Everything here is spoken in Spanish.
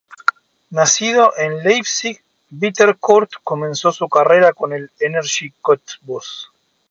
Nacido en Leipzig, Bittencourt comenzó su carrera con el Energie Cottbus.